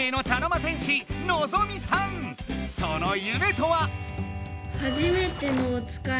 その夢とは？